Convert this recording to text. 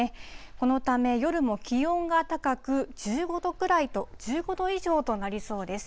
このため、夜も気温が高く、１５度以上となりそうです。